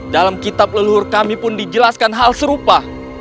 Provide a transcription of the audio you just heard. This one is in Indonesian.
dalam kitab leluhur kami pun dijelaskan hal serupa